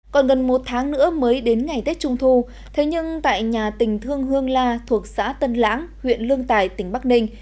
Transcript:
còn gần một tháng nữa mới đến ngày tết trung thu thế nhưng tại nhà tỉnh thương hương la thuộc xã tân lãng huyện lương tài tỉnh bắc ninh